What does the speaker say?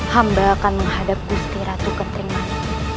hamba akan menghadap gusti ratu kentrimas